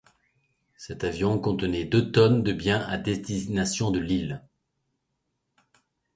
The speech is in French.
Cet avion contenait deux tonnes de biens à destination de l'île.